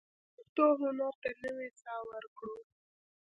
پښتو هنر ته نوې ساه ورکړو.